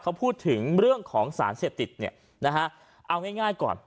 เขาพูดถึงเรื่องของสารเสพติดเนี่ยนะฮะเอาง่ายก่อน